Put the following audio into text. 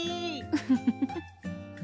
フフフフ。